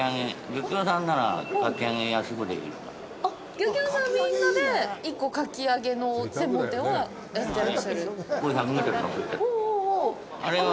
あっ、漁協さんみんなで、１個、かき揚げの専門店をやってらっしゃる？